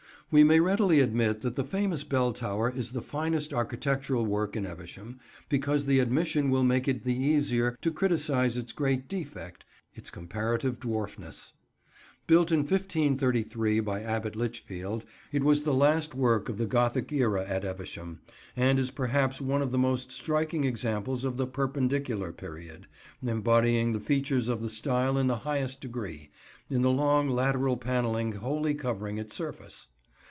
We may readily admit that the famous Bell Tower is the finest architectural work in Evesham, because the admission will make it the easier to criticise its great defect, its comparative dwarfness. Built in 1533 by Abbot Lichfield, it was the last work of the Gothic era at Evesham, and is perhaps one of the most striking examples of the Perpendicular period: [Picture: Bell Tower, Evesham] embodying the features of the style in the highest degree, in the long lateral panellings wholly covering its surface.